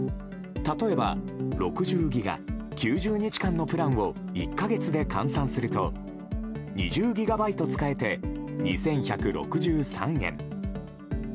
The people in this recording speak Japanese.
例えば、６０ギガ９０日間のプランを１か月で換算すると２０ギガバイト使えて２１６３円。